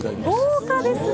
豪華ですね。